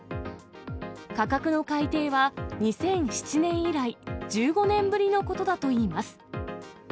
価格の改定は２００７年以来、１５年ぶりのことだといいます。